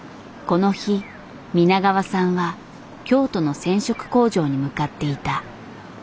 この日皆川さんは京都の染色工場に向かっていた。